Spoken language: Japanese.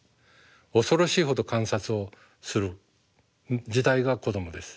恐ろしいほど観察をする時代が子どもです。